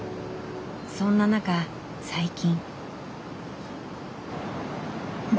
そんな中最近。